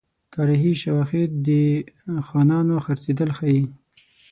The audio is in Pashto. تاریخي شواهد د خانانو خرڅېدل ښيي.